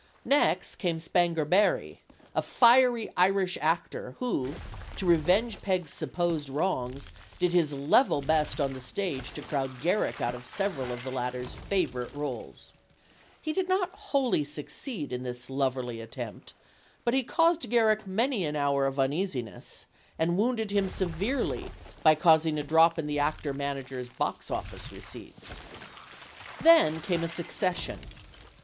Next came Spanger Berry, a fiery Irish actor who, to revenge Peg's supposed wrongs, did his level best on the stage to crowd Garrick out of several of the latter's favorite roles. He did not wholly succeed in this loverly at tempt, but he caused Garrick many an hour of uneasi PEG WOFFINGTON 55 ness, and wounded him severly by causing a drop in the actor manager's box office receipts. Then came a succession.